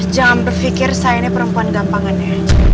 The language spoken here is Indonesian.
jangan berpikir saya ini perempuan gampangannya